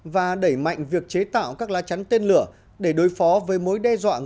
và đẩy mạnh việc chế tạo các lá chắn tên lửa để đối phó với mối đe dọa